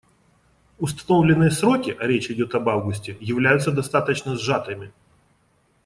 Установленные сроки, а речь идет об августе, являются достаточно сжатыми.